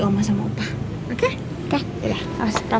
sama sama oke a gdpa